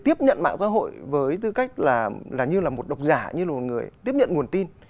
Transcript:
tiếp nhận mạng xã hội với tư cách là như là một độc giả như là một người tiếp nhận nguồn tin